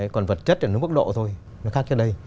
còn vật chất là nó mức độ thôi nó khác trên đây